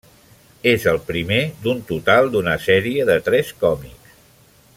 És el primer d'un total d'una sèrie de tres còmics.